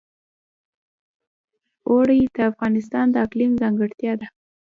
اوړي د افغانستان د اقلیم ځانګړتیا ده.